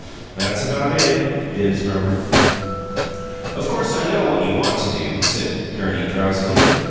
"That's about it," Bibbs murmured. "Of course I know what you want to do," said Gurney, drowsily.